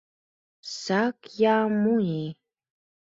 САК-Я-МУНИ